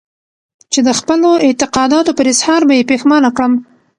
چې د خپلو اعتقاداتو پر اظهار به يې پښېمانه کړم.